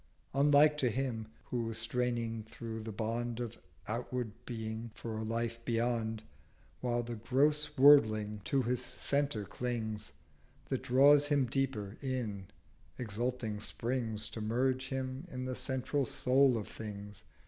Unlike to him, who straining through the Bond Of outward Being for a Life beyond, While the gross Worldling to his Centre clings, That draws him deeper in, exulting springs To merge him in the central Soul of Things.